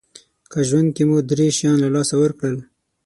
که ژوند کې مو درې شیان له لاسه ورکړل